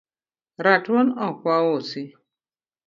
Ratuon ok wausi